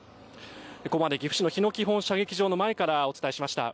ここまで岐阜市の日野基本射撃場の前からお伝えしました。